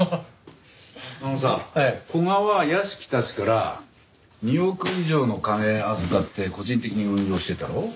あのさ古賀は屋敷たちから２億以上の金預かって個人的に運用してたろ？